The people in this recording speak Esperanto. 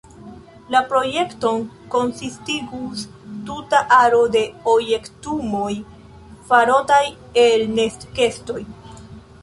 La projekton konsistigus tuta aro de objektumoj farotaj el nestkestoj.